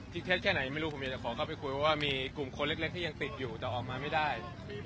เท็จแค่ไหนไม่รู้ผมอยากจะขอเข้าไปคุยเพราะว่ามีกลุ่มคนเล็กที่ยังติดอยู่แต่ออกมาไม่ได้